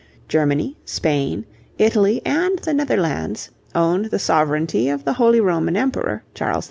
Germany, Spain, Italy, and the Netherlands, owned the sovereignty of the Holy Roman Emperor, Charles V.